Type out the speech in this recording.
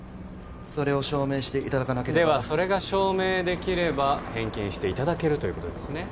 それを証明していただかなければではそれが証明できれば返金していただけるということですね